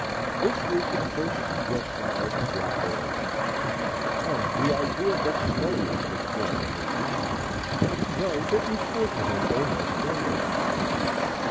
This was the first suggestion of coöperation, and the idea but slowly took form in his mind, though it recurred to him almost daily.